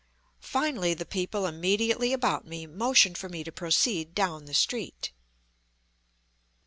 Finally the people immediately about me motion for me to proceed down the street.